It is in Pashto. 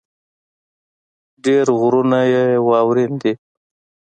ډېر غرونه يې واؤرين دي ـ